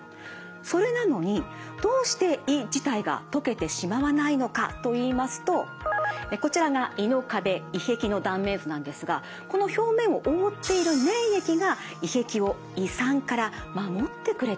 それなのにどうして胃自体が溶けてしまわないのかといいますとこちらが胃の壁胃壁の断面図なんですがこの表面を覆っている粘液が胃壁を胃酸から守ってくれているからなんです。